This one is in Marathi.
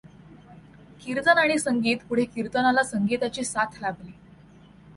कीर्तन आणि संगीत पुढे कीर्तनाला संगीताची साथ लाभली.